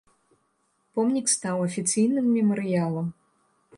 Помнік стаў афіцыйным мемарыялам.